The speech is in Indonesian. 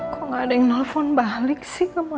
kau gak ada yang nelpon balik sih ke mama